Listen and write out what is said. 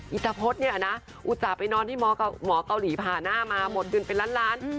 อีซาพจน์เนี่ยนะอุตส่าห์ไปนอนที่หมอกาหลีผ่านหน้ามาหมดดื่นไปร้าน